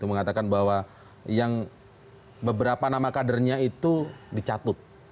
mengatakan bahwa yang beberapa nama kadernya itu dicatut